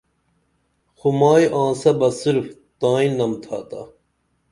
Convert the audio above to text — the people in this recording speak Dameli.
خو مائی آنسہ بہ صرف تائی نم تھاتا